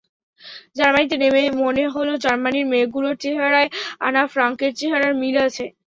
জার্মানিতে নেমে মনে হলো জার্মানির মেয়েগুলোর চেহারায় আনা ফ্রাঙ্কের চেহারার মিল আছে।